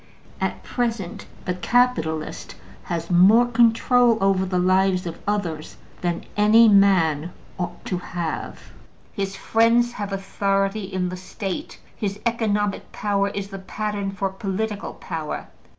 At present, the capitalist has more control over the lives of others than any man ought to have; his friends have authority in the State; his economic power is the pattern for political power.